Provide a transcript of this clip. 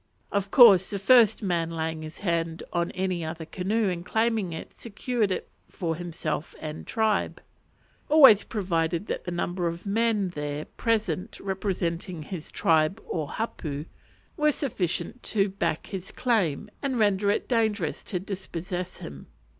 Of course the first man laying his hand on any other canoe and claiming it secured it for himself and tribe; always provided that the number of men there present representing his tribe or hapu were sufficient to back his claim and render it dangerous to dispossess him.